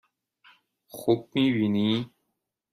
خوب می بینی؟